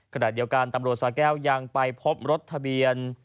ขณะเดียวกันตำรวจสาแก้วยังไปพบรถทะเบียน